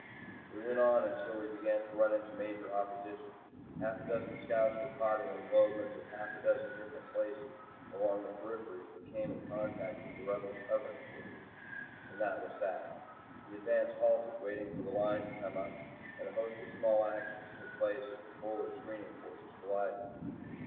We went on until we began to run into major opposition. Half a dozen scouts were caught in englobements at half a dozen different places along the periphery as they came in contact with the Rebels' covering forces. And that was that. The advance halted waiting for the Line to come up, and a host of small actions took place as the forward screening forces collided.